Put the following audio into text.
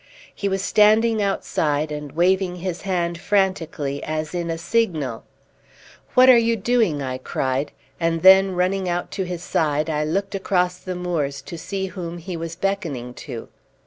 He was standing outside, and waving his hand frantically, as in a signal. "What are you doing?" I cried; and then, running out to his side, I looked across the moors to see whom he was beckoning to.